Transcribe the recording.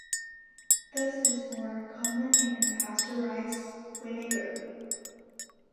This is more common in unpasteurized vinegar.